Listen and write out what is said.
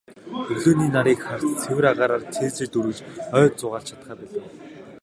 Өглөөний нарыг харж, цэвэр агаараар цээжээ дүүргэж, ойд зугаалж чадахаа болив.